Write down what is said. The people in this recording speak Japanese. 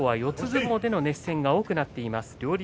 相撲での熱戦が多くなっています。